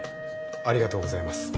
ありがとうございます。